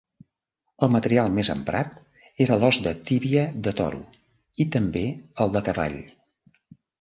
El material més emprat era l'os de tíbia de toro i també el de cavall.